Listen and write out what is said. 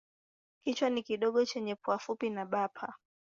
Kichwa ni kidogo chenye pua fupi na bapa.